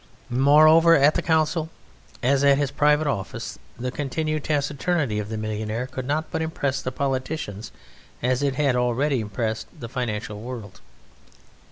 Moreover at the council, as at his private office, the continued taciturnity of the millionaire could not but impress the politicians as it had already impressed the financial world.